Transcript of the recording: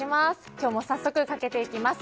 今日も早速かけていきます。